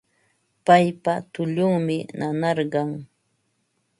Paypa tullunmi nanarqan